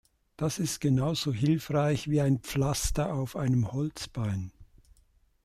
Das ist genauso hilfreich wie ein Pflaster auf einem Holzbein.